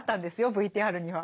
ＶＴＲには。